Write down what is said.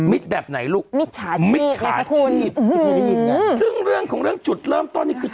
มิตรแบบไหนลูกมิตรชาชีพมิตรชาชีพอืมซึ่งเรื่องของเรื่องจุดเริ่มตอนนี้คือ